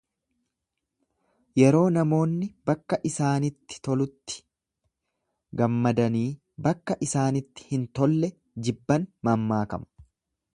Yeroo namoonni bakka isaanitti tolutti gammadanii bakka isaanitti hin tolle jibban mammaakama.